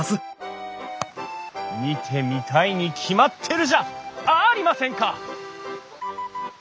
見てみたいに決まってるじゃありませんか！